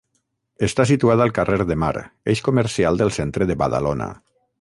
Està situada al carrer de Mar, eix comercial del centre de Badalona.